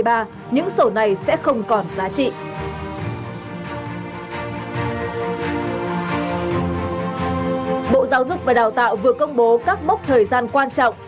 bộ giáo dục và đào tạo vừa công bố các mốc thời gian quan trọng